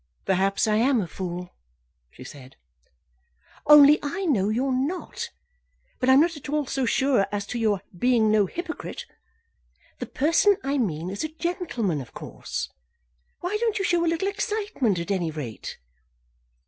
"Perhaps I am a fool," she said. "Only I know you are not. But I am not at all so sure as to your being no hypocrite. The person I mean is a gentleman, of course. Why don't you show a little excitement, at any rate?